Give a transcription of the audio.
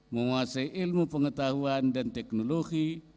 menguasai ilmu pengetahuan dan teknologi